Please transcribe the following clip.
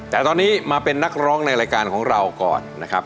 แต่ตอนนี้มาเป็นนักร้องในรายการของเราก่อนนะครับ